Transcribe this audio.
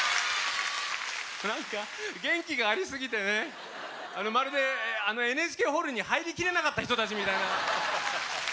なんか元気がありすぎてまるでＮＨＫホールに入りきれなかった人たちみたいな。